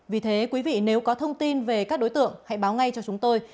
vì thế quý vị nếu có thông tin về các đối tượng hãy báo ngay cho chúng tôi